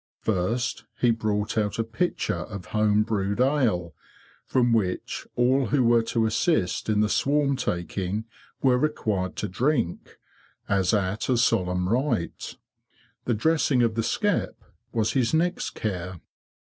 First he brought out a pitcher of home brewed ale, from which all who were to assist in the swarm taking were required to drink, as at a solemn rite. The dressing of the skep was his next care.